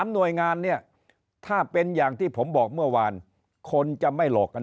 หน่วยงานเนี่ยถ้าเป็นอย่างที่ผมบอกเมื่อวานคนจะไม่หลอกกัน